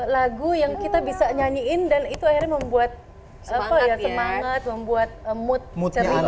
lagu yang kita bisa nyanyiin dan itu akhirnya membuat semangat membuat mood ceria